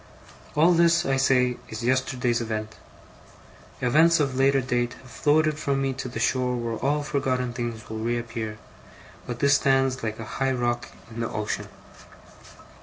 All this, I say, is yesterday's event. Events of later date have floated from me to the shore where all forgotten things will reappear, but this stands like a high rock in the ocean.